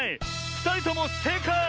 ふたりともせいかい！